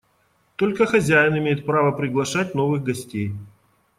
Только хозяин имеет право приглашать новых гостей.